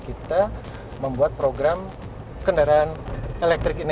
kita membuat program kendaraan elektriknya